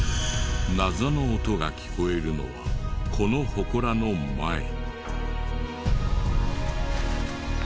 謎の音が聞こえるのはこのほこらの前。